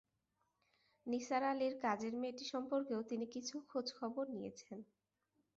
নিসার আলির কাজের মেয়েটি সম্পর্কেও তিনি কিছু খোঁজ খবর নিয়েছেন।